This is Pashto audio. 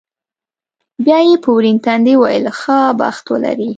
بیا یې په ورین تندي وویل، ښه بخت ولرې.